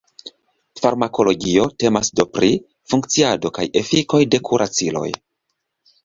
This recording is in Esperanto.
Farmakologio temas do pri funkciado kaj efikoj de kuraciloj.